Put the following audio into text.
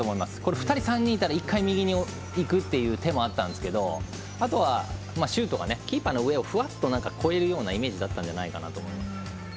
２人３人いたら、一回右にいくという手もあったんですがあとはシュートがキーパーの上をふわっと越えるようなイメージだったんじゃないかなと。